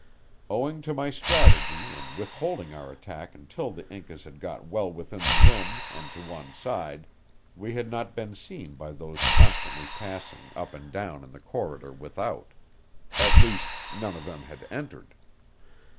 Owing to my strategy in withholding our attack until the Incas had got well within the room and to one side, we had not been seen by those constantly passing up and down in the corridor without; at least, none of them had entered.